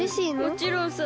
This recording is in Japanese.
もちろんさ。